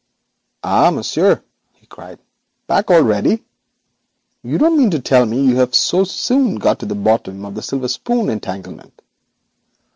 'Ah, monsieur,' he cried, 'back already? You don't mean to tell me you have so soon got to the bottom of the silver spoon entanglement?'